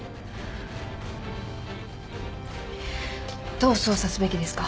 どう捜査すべきですか？